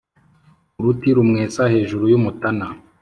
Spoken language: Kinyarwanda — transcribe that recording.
Uruti rumwesa hejuru y’umutana,